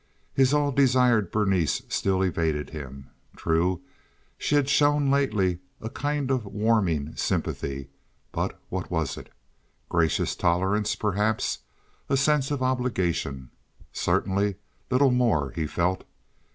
His all desired Berenice still evaded him. True, she had shown lately a kind of warming sympathy; but what was it? Gracious tolerance, perhaps—a sense of obligation? Certainly little more, he felt.